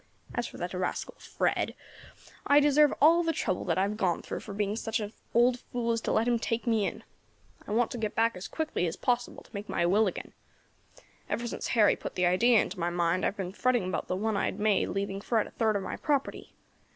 As for that rascal Fred, I deserve all the trouble that I have gone through for being such an old fool as to let him take me in. I want to get back as quickly as possible to make my will again. Ever since Harry put the idea into my mind I have been fretting about the one I had made leaving Fred a third of my property.